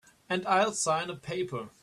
And I'll sign a paper.